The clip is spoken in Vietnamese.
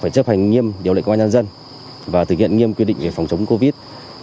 chấp hành nhiệm điều lệ công an nhân dân và thực hiện nhiệm quyết định về phòng chống covid